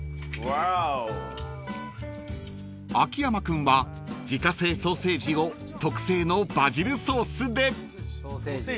［秋山君は自家製ソーセージを特製のバジルソースで］